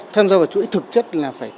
tham gia vào chuỗi thực chất là